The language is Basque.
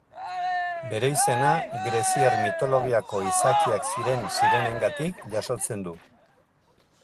Bere izena greziar mitologiako izakiak ziren sirenengatik jasotzen du.